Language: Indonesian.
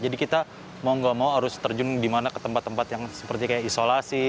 jadi kita mau nggak mau harus terjun di mana ke tempat tempat yang seperti kayak isolasi